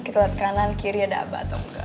kita liat kanan kiri ada abah atau engga